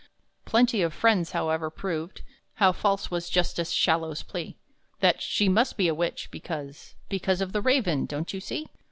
Plenty of friends, however, proved How false was Justice Shallow's plea That "She must be a witch, because Because of the raven, don't you see?"